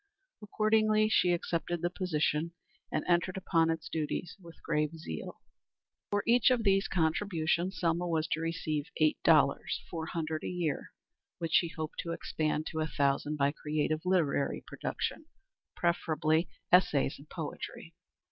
Accordingly she accepted the position and entered upon its duties with grave zeal. For each of these contributions Selma was to receive eight dollars four hundred a year, which she hoped to expand to a thousand by creative literary production preferably essays and poetry.